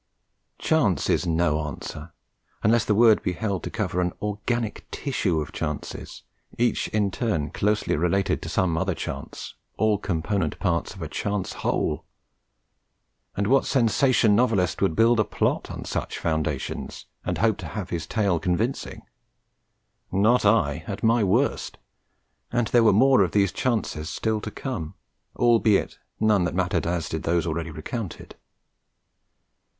'Chance' is no answer, unless the word be held to cover an organic tissue of chances, each in turn closely related to some other chance, all component parts of a chance whole! And what sensation novelist would build a plot on such foundations and hope to make his tale convincing? Not I, at my worst; and there were more of these chances still to come, albeit none that mattered as did those already recounted.